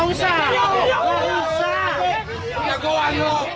gak usah gak usah